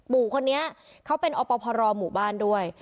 ปู่คนนี้เค้าเป็นอปภรรอหมู่บ้านด้วย